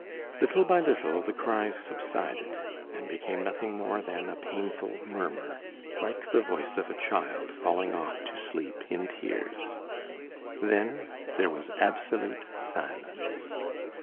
Little by little the cries subsided, and became nothing more than a painful murmur, like the voice of a child falling off to sleep in tears. Then there was absolute silence.